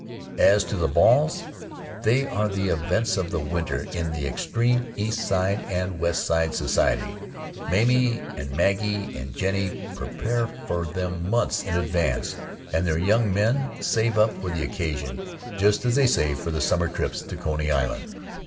As to the balls, they are the events of the winter in the extreme East Side and West Side society. Mamie and Maggie and Jennie prepare for them months in advance, and their young men save up for the occasion just as they save for the summer trips to Coney Island.